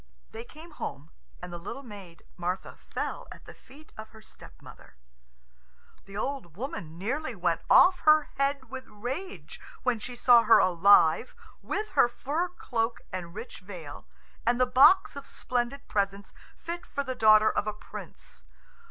They came home, and the little maid, Martha, fell at the feet of her stepmother. The old woman nearly went off her head with rage when she saw her alive, with her fur cloak and rich veil, and the box of splendid presents fit for the daughter of a prince.